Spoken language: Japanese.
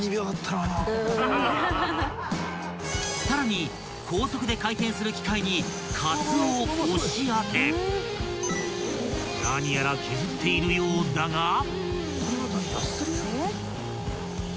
［さらに高速で回転する機械にカツオを押し当て何やら削っているようだが］